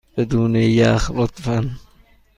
بدون یخ، لطفا.